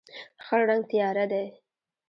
خړ رنګ تیاره دی.